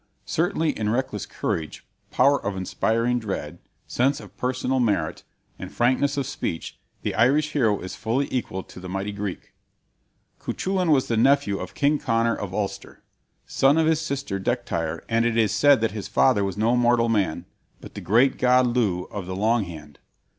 Certainly in reckless courage, power of inspiring dread, sense of personal merit, and frankness of speech the Irish hero is fully equal to the mighty Greek. Cuchulain was the nephew of King Conor of Ulster, son of his sister Dechtire, and it is said that his father was no mortal man, but the great god Lugh of the Long Hand.